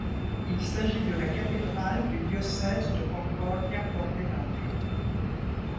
Il s'agit de la cathédrale du diocèse de Concordia-Pordenone.